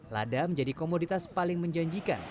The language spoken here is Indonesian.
lada menjadi komoditas paling menjanjikan